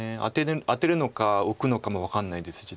アテるのかオクのかも分かんないですし。